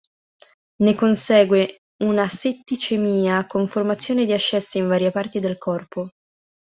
Ne consegue una setticemia con formazione di ascessi in varie parti del corpo.